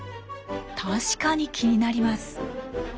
確かに気になります。